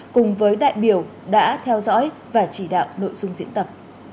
cùng với đại biểu đã theo dõi và chỉ đạo nội dung diễn tập